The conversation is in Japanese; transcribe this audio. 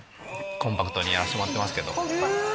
コンパクトにやらせてもらってます。